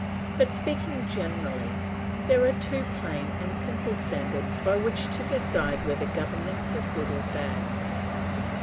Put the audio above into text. But speaking generally, there are two plain and simple standards by which to decide whether governments are good or bad.